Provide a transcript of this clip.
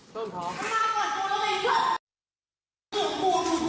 มาก่อนโดนอะไรกัน